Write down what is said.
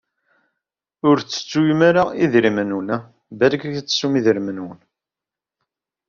Ur tettumt ara idrimen-nkent.